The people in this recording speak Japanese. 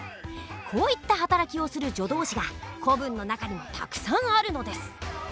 こういった働きをする助動詞が古文の中にはたくさんあるのです。